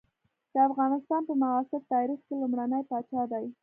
د افغانستان په معاصر تاریخ کې لومړنی پاچا دی.